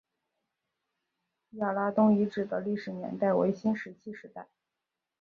亚拉东遗址的历史年代为新石器时代。